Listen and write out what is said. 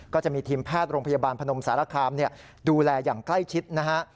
ก็จะมีทีมแพทย์โรงพยาบาลพนมสารคามดูแลอย่างใกล้ชิดนะฮะ